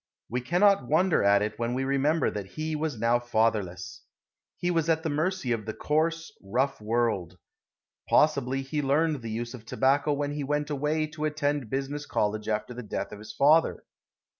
We cannot wonder at it when we remember that he was now fatherless. He was at the mercy of the coarse, rough world. Possibly he learned the use of tobacco when he went away to attend business college after the death of his father.